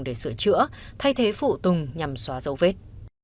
để sửa chữa thay thế phụ tùng nhằm xóa dấu vết